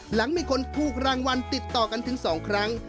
หลังมีคนถูกรางวัลติดต่อกันถึง๒ครั้ง